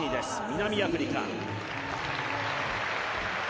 南アフリカ。